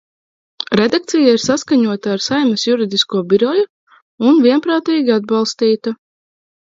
Redakcija ir saskaņota ar Saeimas Juridisko biroju un vienprātīgi atbalstīta.